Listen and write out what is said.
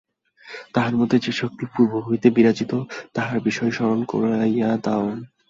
তাহার মধ্যে যে-শক্তি পূর্ব হইতে বিরাজিত, তাহার বিষয় স্মরণ করাইয়া দাও।